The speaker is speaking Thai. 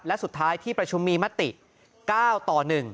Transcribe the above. และสุดท้ายที่ประชุมมีมติ๙ต่อ๑